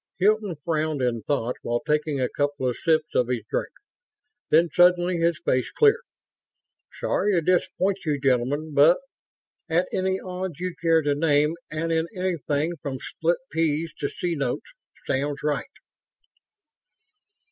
Hilton frowned in thought while taking a couple of sips of his drink. Then, suddenly, his face cleared. "Sorry to disappoint you, gentlemen, but at any odds you care to name and in anything from split peas to C notes Sam's right."